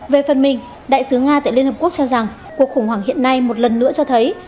về phần mình đại sứ nga tại liên hợp quốc cho rằng cuộc khủng hoảng hiện nay một lần nữa cho thấy